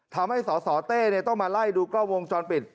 สสเต้ต้องมาไล่ดูกล้องวงจรปิด